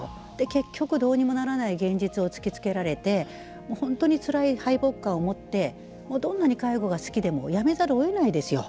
結局どうにもならない現実を突きつけられて本当につらい敗北感をもってどんなに介護が好きでもやめざるを得ないですよ。